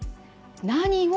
「何を」